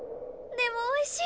でもおいしい！